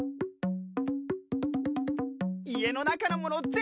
いえのなかのものぜんぶ